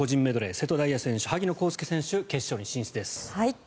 瀬戸大也選手、萩野公介選手が決勝に進出です。